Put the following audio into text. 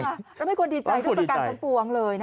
เราไม่ควรดีใจด้วยประการของปวงเลยนะฮะ